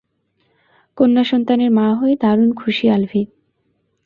কন্যাসন্তানের মা হয়ে দারুণ খুশি আলভি।